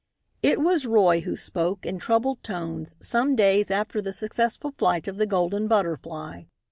It was Roy who spoke, in troubled tones, some days after the successful flight of the Golden Butterfly.